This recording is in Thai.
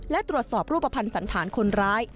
และตรวจสอบรูปภัณฑ์สันธารคนร้าย